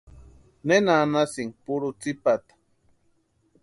¿Nena anhasïnki purhu tsïpata?